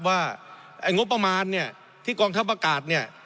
ว่างบประมาณที่กองทัพอากาศเนี่ย